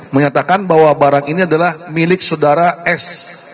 menyatakan bahwa barang ini adalah milik saudara s